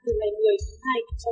thời gian từ ngày một mươi tháng hai